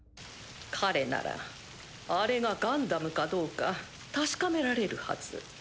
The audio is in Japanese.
彼ならあれがガンダムかどうか確かめられるはず。